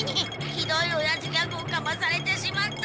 ひどいおやじギャグをかまされてしまった。